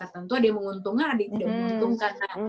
tentu ada yang menguntungkan